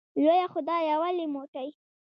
لویه خدایه ولې موټی